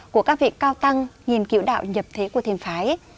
của các vị cao tăng nghiên cứu đạo nhập thế của thiền phái